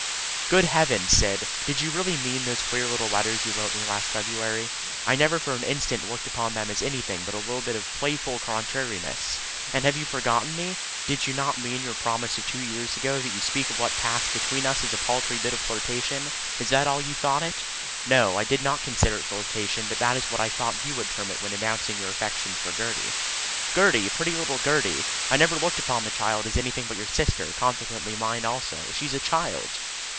"Good heavens, Syb! Did you really mean those queer little letters you wrote me last February? I never for an instant looked upon them as anything but a little bit of playful contrariness. And have you forgotten me? Did you not mean your promise of two years ago, that you speak of what passed between us as a paltry bit of flirtation? Is that all you thought it?" "No, I did not consider it flirtation; but that is what I thought you would term it when announcing your affection for Gertie." "Gertie! Pretty little Gertie! I never looked upon the child as anything but your sister, consequently mine also. She's a child."